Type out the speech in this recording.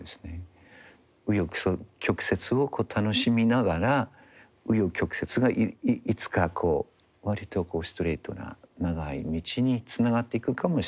紆余曲折を楽しみながら紆余曲折がいつかこう割とストレートな長い道につながっていくかもしれないということ。